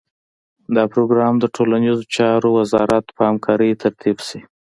دا پروګرام د ټولنیزو چارو وزارت په همکارۍ ترتیب شي.